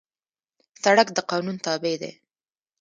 سړک د قانون تابع دی.